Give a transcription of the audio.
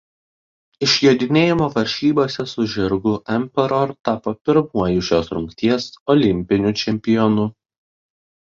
Išjodinėjimo varžybose su žirgu Emperor tapo pirmuoju šios rungties olimpiniu čempionu.